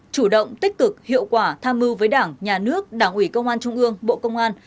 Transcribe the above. chủ động tích cực hiệu quả tham mưu với đảng nhà nước đảng ủy công an trung ương bộ công an